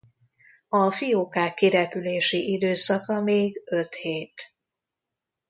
A fiókák kirepülési időszaka még öt hét.